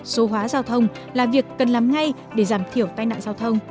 số hóa giao thông là việc cần làm ngay để giảm thiểu tai nạn giao thông